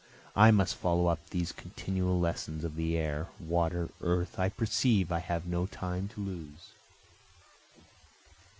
I must follow up these continual lessons of the air, water, earth, I perceive I have no time to lose.